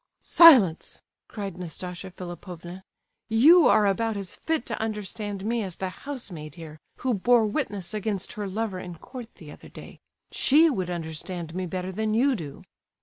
"Silence!" cried Nastasia Philipovna. "You are about as fit to understand me as the housemaid here, who bore witness against her lover in court the other day. She would understand me better than you do."